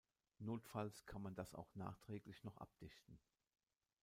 Notfalls kann man das auch nachträglich noch abdichten.